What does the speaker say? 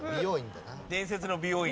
伝説の美容院。